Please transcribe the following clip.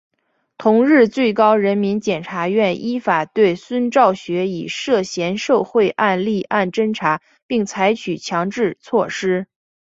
同日最高人民检察院依法对孙兆学以涉嫌受贿罪立案侦查并采取强制措施。